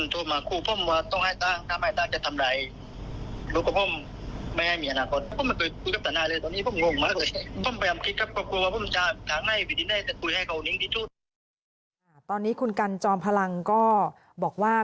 ตอนนี้คุณกันจอมพลังก็บอกว่า